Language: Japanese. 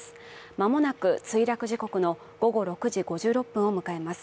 間もなく墜落時刻の午後６時５６分を迎えます。